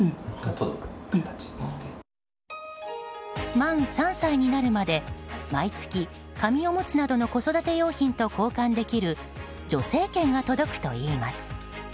満３歳になるまで毎月、紙おむつなどの子育て用品と交換できる助成券が届くといいます。